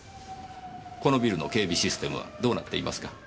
このビルの警備システムはどうなっていますか？